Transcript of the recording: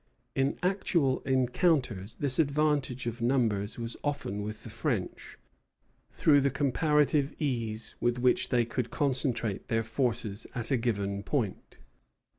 In actual encounters the advantage of numbers was often with the French, through the comparative ease with which they could concentrate their forces at a given point.